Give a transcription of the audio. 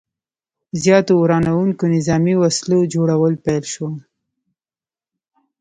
زیاتو ورانوونکو نظامي وسلو جوړول پیل شو.